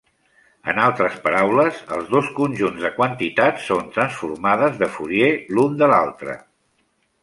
En Altres Paraules, els dos conjunts de quantitats són transformades de Fourier l'un de l'altre.